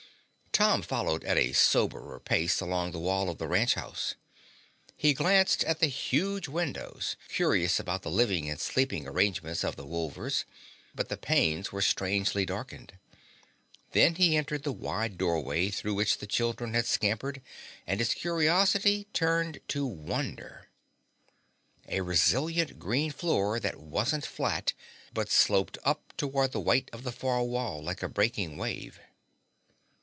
Tom followed at a soberer pace along the wall of the ranch house. He glanced in the huge windows, curious about the living and sleeping arrangements of the Wolvers, but the panes were strangely darkened. Then he entered the wide doorway through which the children had scampered and his curiosity turned to wonder. A resilient green floor that wasn't flat, but sloped up toward the white of the far wall like a breaking wave.